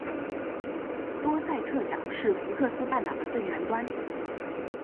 多塞特角是福克斯半岛的最南端。